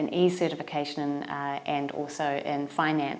nó gây ra việc đảm bảo